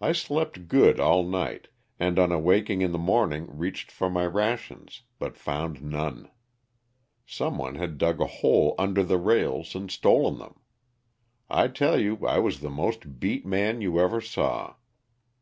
I slept good all night, and on awaking in the morning reached for my rations, but found none. Some one had dug a hole under the rails and stolen them. I tell you I was the most beat man you ever saw.